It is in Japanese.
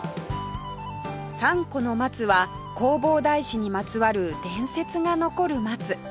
三鈷の松は弘法大師にまつわる伝説が残る松